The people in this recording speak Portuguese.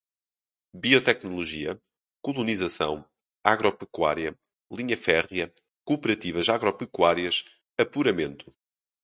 biotecnologia, colonização, agro-pecuária, linha férrea, cooperativas agropecuárias, apuramento